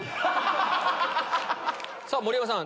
さぁ盛山さん